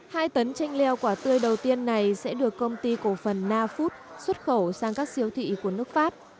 hai tấn chanh leo quả tươi đầu tiên này sẽ được công ty cổ phần nafood xuất khẩu sang các siêu thị của nước pháp